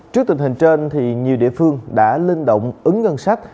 trước tình hình trên nhiều địa phương đã linh động ứng ngân sách